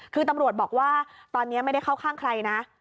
คือตำรวจบอกว่าตอนนี้ไม่ได้เข้าข้างใครนะ